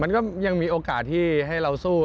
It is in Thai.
มันก็ยังมีโอกาสที่ให้เราสู้